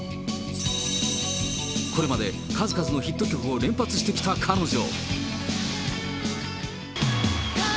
これまで数々のヒット曲を連発してきた彼女。